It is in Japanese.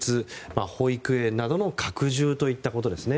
保育園などの拡充といったことですね。